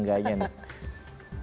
enggak aja nih